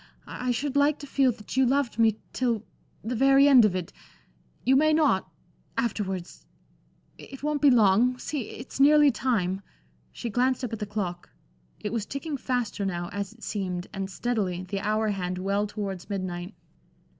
I should like to feel that you loved me till the very end of it. You may not afterwards. It won't be long. See it's nearly time." She glanced up at the clock. It was ticking faster now, as it seemed, and steadily, the hour hand well towards midnight.